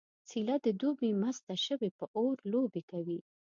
څیله د دوبي مسته شوې په اور لوبې کوي